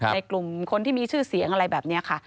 ในกลุ่มคนที่มีชื่อเสียงอะไรแบบนี้ค่ะ